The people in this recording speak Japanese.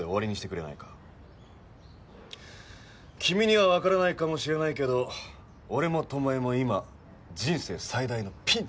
君にはわからないかもしれないけど俺も巴も今人生最大のピンチなんだ。